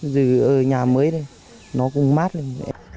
giờ ở nhà mới đây nó cũng mát lên